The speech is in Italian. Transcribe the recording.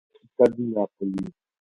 Ha sede nella città di Napoli.